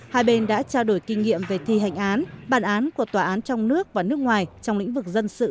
hai bên đã trao đổi kinh nghiệm về thi hành án bản án của tòa án trong nước và nước ngoài trong lĩnh vực dân sự